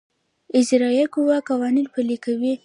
اجرائیه قوه قوانین پلي کوي